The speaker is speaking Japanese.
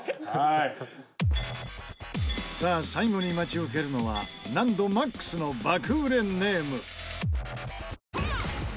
さあ最後に待ち受けるのは難度ＭＡＸの爆売れネーム。